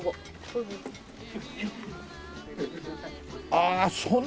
ああそんなに。